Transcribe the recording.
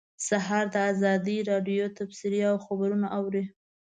سهار د ازادۍ راډیو تبصرې او خبرونه اوري.